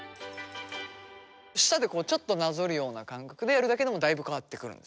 舌でこうちょっとなぞるような感覚でやるだけでもだいぶ変わってくるんですね。